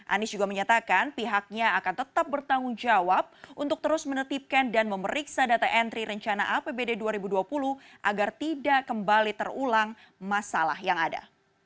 anies juga menyatakan pihaknya akan tetap bertanggung jawab untuk terus menetipkan dan memeriksa data entry rencana apbd dua ribu dua puluh agar tidak kembali terulang masalah yang ada